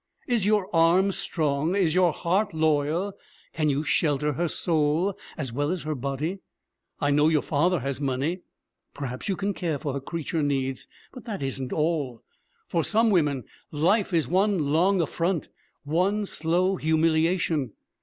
Is your arm strong? Is your heart loyal? Can you shelter her soul as well as her body? I know your father has money. Perhaps you can care for her creature needs, but that isn't all. For some women life is one long affront, one slow humiliation.